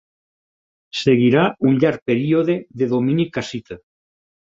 Seguirà un llarg període de domini cassita.